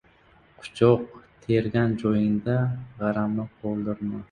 • Quchoq tergan joyingda g‘aramni qoldirma.